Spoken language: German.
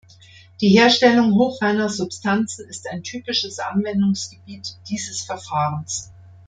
Die Herstellung hochreiner Substanzen ist ein typisches Anwendungsgebiet dieses Verfahrens.